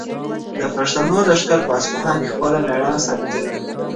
د پښتنو لښکر په اصفهان کې خپله مېړانه ثابته کړه.